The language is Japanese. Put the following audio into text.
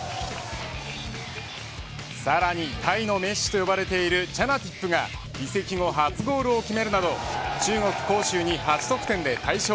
さらに、タイのメッシと呼ばれているチャナティップが移籍後、初ゴールを決めるなど中国広州に８得点で大勝。